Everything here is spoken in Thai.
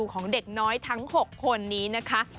ของเด็กน้อยทั้ง๖คนนี้นะคะ